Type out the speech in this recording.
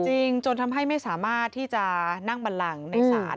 จนทำให้ไม่สามารถที่จะนั่งบันลังในศาล